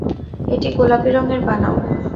এটি গোলাপী রঙের বানাও।